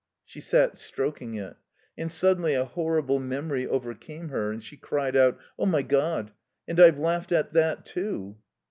She sat stroking it. And suddenly a horrible memory overcame her, and she cried out: "Oh, my God! And I've laughed at that, too!"